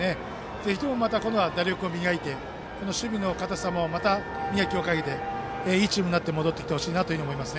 ぜひとも、今度は打力を磨いて守備の堅さもまた磨きをかけていいチームになって戻ってきてほしいなと思います。